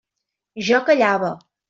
Jo callava.